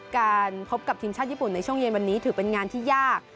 การพบกับทีมชาติญี่ปุ่นในช่วงเย็นวันนี้ถือเป็นงานที่ยาก